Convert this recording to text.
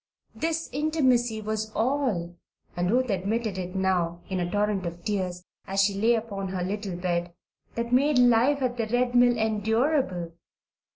This intimacy was all (and Ruth admitted it now, in a torrent of tears, as she lay upon her little bed) that made life at the Red Mill endurable.